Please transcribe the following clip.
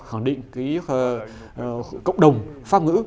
khẳng định cái cộng đồng pháp ngữ